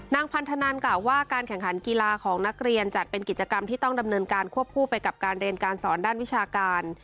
นางพันธนันกล่าวว่าการแข่งขันกีฬาของนักเรียนจัดเป็นกิจกรรมที่ต้องดำเนินการควบคู่ไปกับการเรียนการสอนด้านวิชาการ